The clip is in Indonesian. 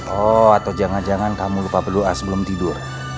oh atau jangan jangan kamu lupa berdoa sebelum tidur